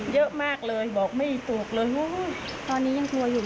เยอะมากเลยบอกไม่ตกเลย